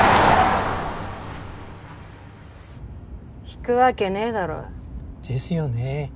ひくわけねぇだろ。ですよね。